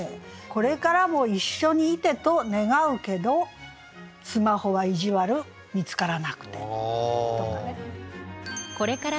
「これからも一緒に居てと願うけどスマホは意地悪見つからなくて」とかね。